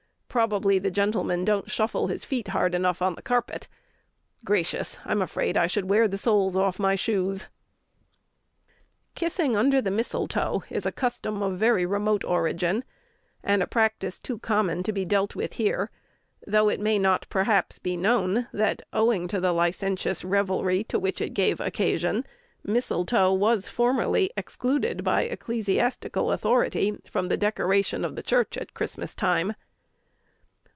Probably the gentleman don't shuffle his feet hard enough on the carpet. Gracious! I'm afraid I should wear the soles off my shoes." Kissing under the mistletoe is a custom of very remote origin, and a practice too common to be dealt with here, though it may not, perhaps, be known that, owing to the licentious revelry to which it gave occasion, mistletoe was formerly excluded by ecclesiastical authority from the decoration of the church at Christmas time.